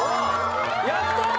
やったー！